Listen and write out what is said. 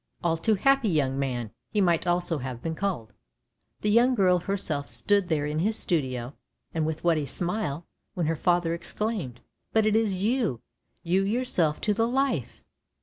All too happy young man, he might also have been called. The young girl herself stood there in his studio; and with what a smile when her father exclaimed, " But it is you, you yourself to the life!